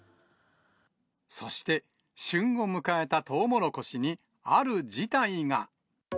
そして、旬を迎えたトウモロコシに、ある事態が。